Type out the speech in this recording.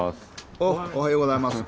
おおはようございます。